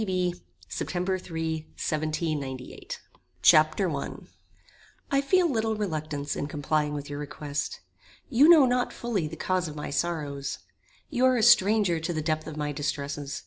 C. B. B. September 3, 1798. Chapter I I feel little reluctance in complying with your request. You know not fully the cause of my sorrows. You are a stranger to the depth of my distresses.